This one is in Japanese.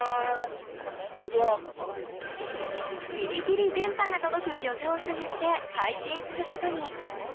ギリギリ電波が届く漁場を探して配信することに。